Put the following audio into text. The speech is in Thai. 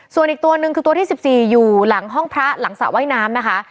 ส่วนอีกตัวหนึ่งคือตัวที่๑๔อยู่หลังห้องพระหลังสระว่ายน้ำนะคะ